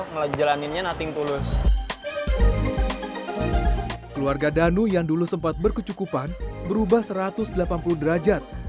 ngelajalaninnya nothing tulus keluarga danu yang dulu sempat berkecukupan berubah satu ratus delapan puluh derajat